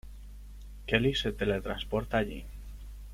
Kelly se teletransporta allí.